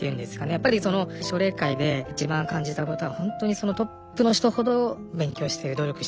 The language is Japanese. やっぱりその奨励会で一番感じたことはほんとにトップの人ほど勉強してる努力してるっていう。